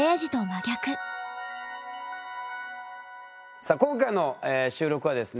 さあ今回の収録はですね